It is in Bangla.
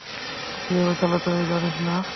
কীভাবে চালাতে হয় জানিস না?